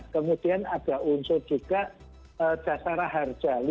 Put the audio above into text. kemudian ada unsur juga dasar harga